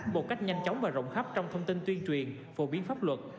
một cách nhanh chóng và rộng khắp trong thông tin tuyên truyền phổ biến pháp luật